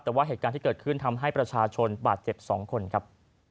แต่ว่าเหตุการณ์ที่เกิดขึ้นทำให้ประชาชนบาดเจ็บ๒คนครับ